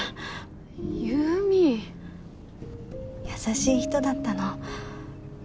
優しい人だったの。